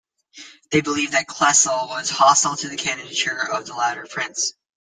They believed that Klesl was hostile to the candidature of the latter prince.